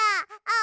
あ。